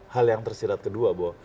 hal yang tersirat kedua bahwa